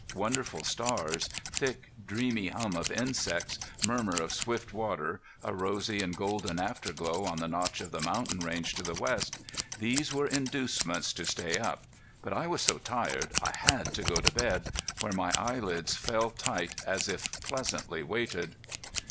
Wonderful stars, thick, dreamy hum of insects, murmur of swift water, a rosy and golden afterglow on the notch of the mountain range to the west these were inducements to stay up, but I was so tired I had to go to bed, where my eyelids fell tight, as if pleasantly weighted.